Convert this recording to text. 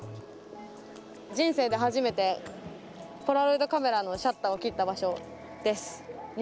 人生で初めてポラロイドカメラのシャッターを切った場所です。